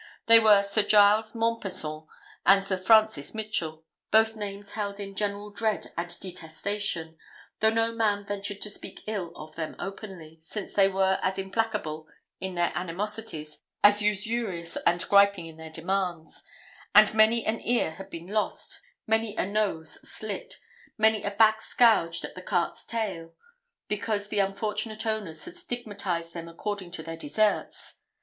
They were Sir Giles Mompesson and Sir Francis Mitchell, both names held in general dread and detestation, though no man ventured to speak ill of them openly, since they were as implacable in their animosities, as usurious and griping in their demands; and many an ear had been lost, many a nose slit, many a back scourged at the cart's tail, because the unfortunate owners had stigmatized them according to their deserts.